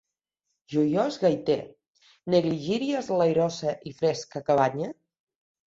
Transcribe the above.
Joiós gaiter, negligiries l'airosa i fresca cabanya?